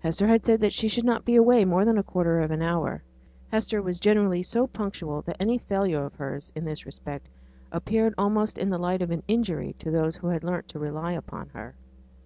Hester had said that she should not be away more than a quarter of an hour; and Hester was generally so punctual that any failure of hers, in this respect, appeared almost in the light of an injury on those who had learnt to rely upon her.